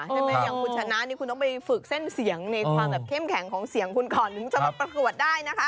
อย่างคุณชนะนี่คุณต้องไปฝึกเส้นเสียงในความแบบเข้มแข็งของเสียงคุณก่อนถึงจะมาประกวดได้นะคะ